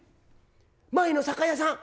前の酒屋さん